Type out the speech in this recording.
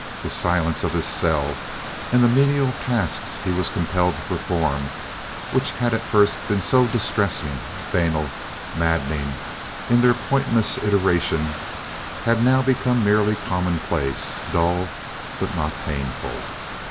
The silence of his cell and the menial tasks he was compelled to perform, which had at first been so distressing, banal, maddening, in their pointless iteration, had now become merely commonplace—dull, but not painful.